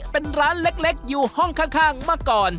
เป็นร้านเล็กอยู่ห้องข้างเมื่อก่อน